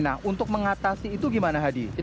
nah untuk mengatasi itu gimana hadi